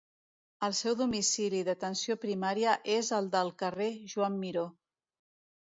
El seu domicili d'atenció primària és el del carrer Joan Miró.